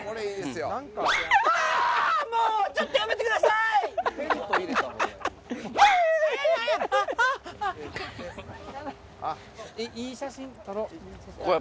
いい写真撮ろう。